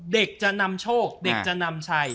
เด็กจะนำโชคเด็กจะนำชัย